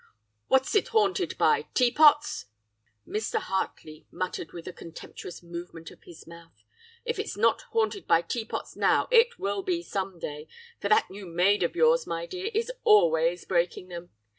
"'What's it haunted by? Teapots?' Mr. Hartley muttered with a contemptuous movement of his mouth. 'If it's not haunted by teapots now, it will be some day, for that new maid of yours, my dear, is always breaking them.